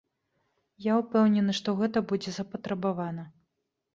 Я ўпэўнены, што гэта будзе запатрабавана.